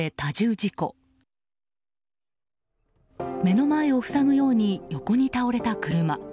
目の前を塞ぐように横に倒れた車。